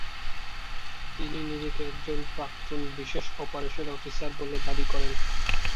তিনি নিজেকে একজন প্রাক্তন বিশেষ অপারেশন অফিসার বলে দাবি করেন।